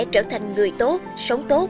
trở thành người tốt sống tốt